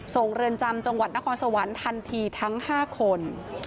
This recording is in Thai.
เรือนจำจังหวัดนครสวรรค์ทันทีทั้ง๕คน